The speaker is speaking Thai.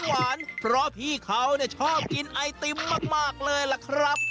หวานเพราะพี่เขาเนี่ยชอบกินไอติมมากเลยล่ะครับ